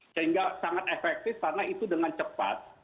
sehingga sangat efektif karena itu dengan cepat